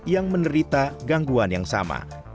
yang menderita gangguan yang sama